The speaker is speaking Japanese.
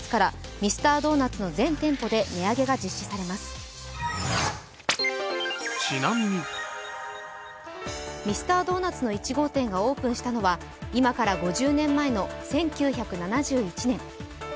ミスタードーナツの１号店がオープンしたのは今から５０年前の１９７１年。